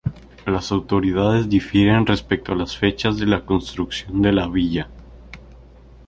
Las autoridades difieren respecto a las fechas de construcción de la villa.